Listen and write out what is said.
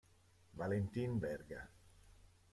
Valentin Verga